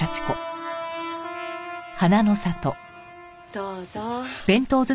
どうぞ。